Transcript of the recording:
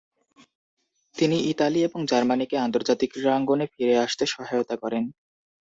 তিনি ইতালি এবং জার্মানীকে আন্তর্জাতিক ক্রীড়াঙ্গনে ফিরে আসতে সহায়তা করেন।